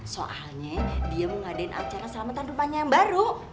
soalnya dia mau ngadain acara selamatkan rumahnya yang baru